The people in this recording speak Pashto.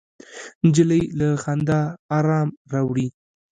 نجلۍ له خندا ارام راوړي.